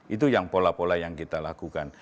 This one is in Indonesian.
itu yang pola pola yang kita lakukan